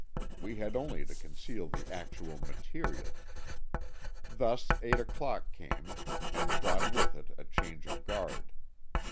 We had only to conceal the actual material. Thus eight o'clock came, and brought with it a change of guard.